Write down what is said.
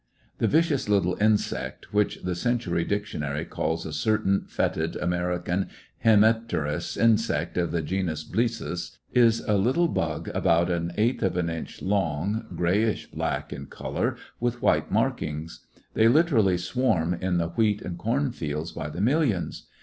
The vicious little insect, which the Century Dictionary calls a "certain fetid American hemipterous insect of the genus BlissvSy^^ is a little bug about an eighth of an inch long, grayish black in color, with white markings. They literally swarm in the wheat and corn fields by the millions.